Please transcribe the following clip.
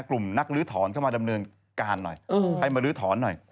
กลุ่มนักลื้อถอนเข้ามาดำเนินการหน่อยให้มาลื้อถอนหน่อย